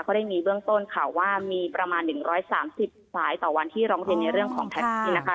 ได้มีเบื้องต้นข่าวว่ามีประมาณ๑๓๐สายต่อวันที่ร้องเรียนในเรื่องของแท็กซี่นะคะ